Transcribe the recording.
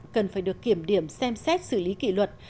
cần phải được kiểm điểm xem xét xử lý kỷ luật